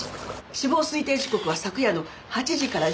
死亡推定時刻は昨夜の８時から１０時頃との事です。